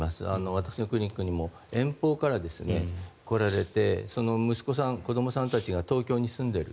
私のクリニックにも遠方から来られて息子さん、子どもさんたちが東京に住んでいる。